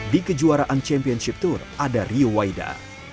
di kejuaraan championship tour ada rio waida